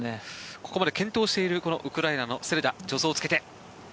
ここまで健闘しているウクライナのセレダ。